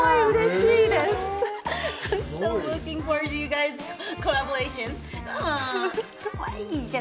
いいじゃん！